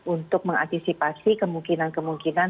untuk mengantisipasi kemungkinan kemungkinan